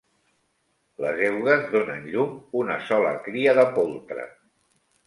Les eugues donen llum una sola cria de poltre.